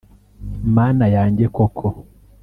” mana yanjye koko